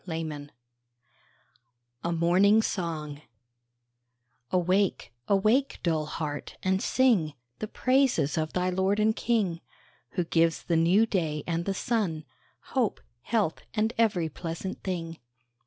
A MORNING SONG 145 A MORNING SONG AWAKE, awake, dull heart, and sing The praises of thy Lord and King, Who gives the new day and the sun, Hope, health, and every pleasant thing.